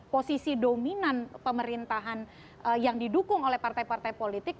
posisi dominan pemerintahan yang didukung oleh partai partai politik